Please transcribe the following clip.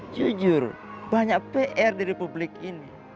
jujur banyak pr di republik ini